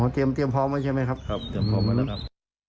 อ๋อเตรียมพร้อมไว้ใช่ไหมครับ